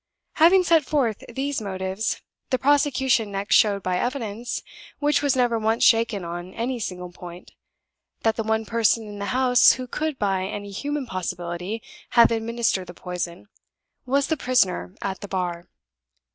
Having set forth these motives, the prosecution next showed by evidence, which was never once shaken on any single point, that the one person in the house who could by any human possibility have administered the poison was the prisoner at the bar.